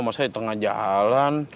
masa di tengah jalan